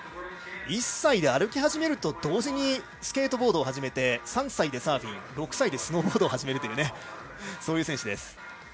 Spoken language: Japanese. １歳で歩き始めると同時にスケートボードを始めて３歳でサーフィン６歳でスノーボードを始めたというそういう選手です。